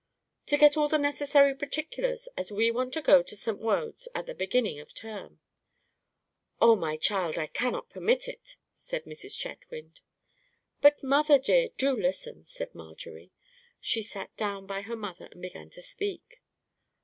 "To get all the necessary particulars, as we want to go to St. Wode's at the beginning of term." "Oh, my child, I cannot permit it," said Mrs. Chetwynd. "But, mother dear, do listen," said Marjorie. She sat down by her mother and began to speak.